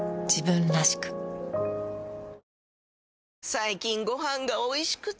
最近ご飯がおいしくて！